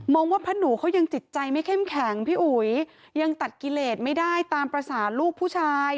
ว่าพระหนูเขายังจิตใจไม่เข้มแข็งพี่อุ๋ยยังตัดกิเลสไม่ได้ตามภาษาลูกผู้ชาย